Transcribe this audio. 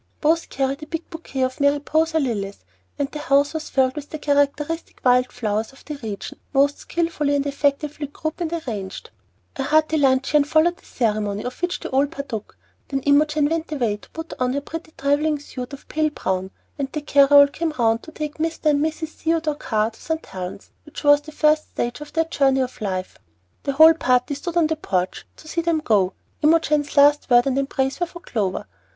Both carried a big bouquet of Mariposa lilies, and the house was filled with the characteristic wild flowers of the region most skilfully and effectively grouped and arranged. A hospitably hearty luncheon followed the ceremony, of which all partook; then Imogen went away to put on her pretty travelling suit of pale brown, and the carry all came round to take Mr. and Mrs. Theodore Carr to St. Helen's, which was the first stage on their journey of life. The whole party stood on the porch to see them go. Imogen's last word and embrace were for Clover.